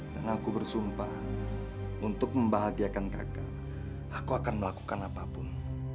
dan aku bersumpah untuk membahagiakan kakak aku akan melakukan apapun